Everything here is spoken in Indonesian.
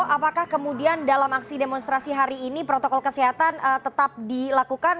apakah kemudian dalam aksi demonstrasi hari ini protokol kesehatan tetap dilakukan